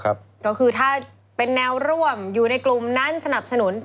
ก็คือถ้าเป็นแนวร่วมอยู่ในกลุ่มนั้นสนับสนุน